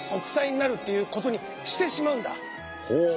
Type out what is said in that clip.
ほう。